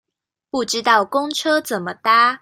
不知道公車怎麼搭